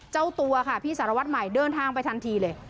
เจ้าตัวค่ะพี่สารวัตรใหม่เดินทางไปทันทีเลย